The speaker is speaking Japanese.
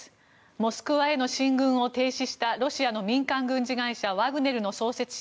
モスクワへの進軍を停止したロシアの民間軍事会社ワグネルの創設者